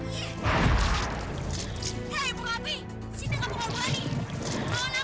hei bu rabe sini kamu berani